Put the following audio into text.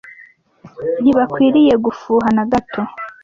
ntibakwiriye gufuha na gato